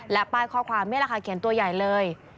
และป้ายข้อความไม่ราคาเขียนตัวใหญ่เลย